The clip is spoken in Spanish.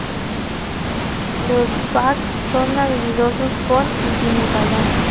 Los backs son habilidosos con y sin el balón.